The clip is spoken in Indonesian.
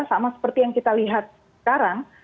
sama seperti yang kita lihat sekarang